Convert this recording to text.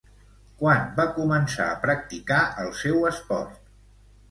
Quan va començar a practicar el seu esport?